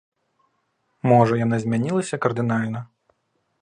Можа, яна змянілася кардынальна?